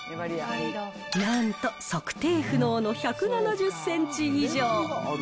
なんと測定不能の１７０センチ以上。